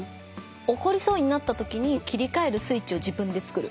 怒りそうになったときに切り替えるスイッチを自分でつくるしかない。